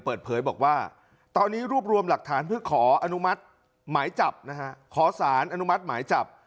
เปิดเผยบอกว่าตอนนี้รวบรวมหลักฐานเพื่อขอสารอนุมัติหมายจับ